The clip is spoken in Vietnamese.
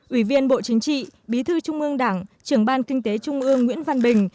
ủy viên bộ chính trị bí thư trung ương đảng trưởng ban kinh tế trung ương nguyễn văn bình